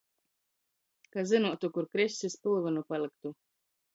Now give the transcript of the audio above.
Ka zynuotu, kur krissi, spylvynu palyktu.